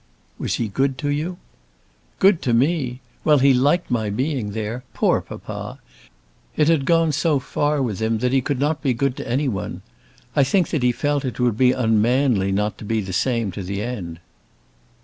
"Was he good to you?" "Good to me! Well; he liked my being there. Poor papa! It had gone so far with him that he could not be good to any one. I think that he felt that it would be unmanly not to be the same to the end."